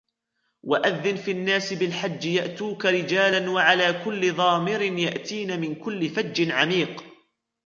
وأذن في الناس بالحج يأتوك رجالا وعلى كل ضامر يأتين من كل فج عميق